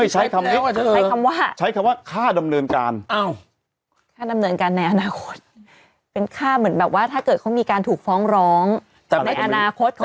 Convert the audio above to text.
ใช้คำว่าค่าดำเนินการค่าดำเนินการในอนาคตเป็นค่าเหมือนแบบว่าถ้าเกิดเขามีการถูกฟ้องร้องในอนาคตของเขา